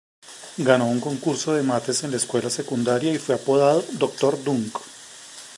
Ganó un concurso de mates en la escuela secundaria y fue apodado "Dr. Dunk".